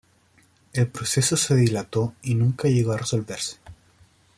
El proceso se dilató y nunca llegó a resolverse.